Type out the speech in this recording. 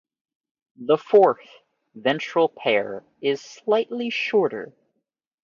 The fourth, ventral pair is slightly shorter.